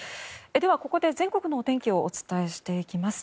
では、ここで全国のお天気をお伝えしていきます。